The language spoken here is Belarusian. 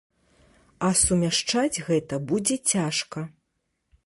А сумяшчаць гэта будзе цяжка.